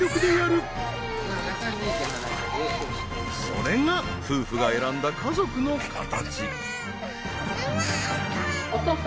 それが夫婦が選んだ家族の形。